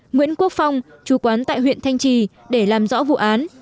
nguyễn quốc phong chú quán tại huyện thanh trì để làm rõ vụ án